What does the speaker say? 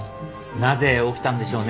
なぜ起きたんでしょうね